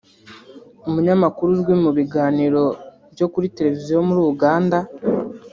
umunyamakuru uzwi mu biganiro byo kuri Televiziyo muri Uganda